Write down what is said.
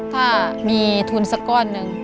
ถ้ามีทุนสักก้อนหนึ่ง